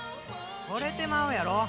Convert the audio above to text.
惚れてまうやろ。